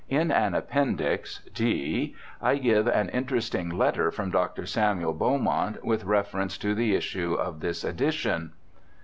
In an appendix (D) I give an interesting letter from Dr. Samuel Beaumont with refer ence to the issue of this edition.